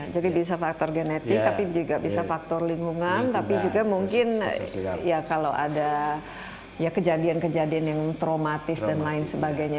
bisa faktor genetik tapi juga bisa faktor lingkungan tapi juga mungkin ya kalau ada ya kejadian kejadian yang traumatis dan lain sebagainya